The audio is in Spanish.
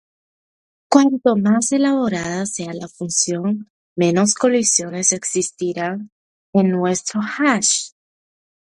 Cuanto más elaborada sea la función menos colisiones existirán en nuestro hash.